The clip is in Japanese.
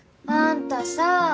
あんたさあ